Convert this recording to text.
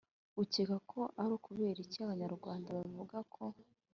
Ukeka ko ari ukubera iki Abanyarwnda bavugaga ko